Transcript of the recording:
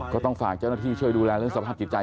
ก็ต้องฝากเจ้าหน้าที่ช่วยดูแลเรื่องสภาพจิตใจ